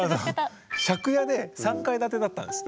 借家で３階建てだったんです。